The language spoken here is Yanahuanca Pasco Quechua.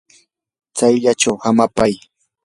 tsayllachaw hamapay.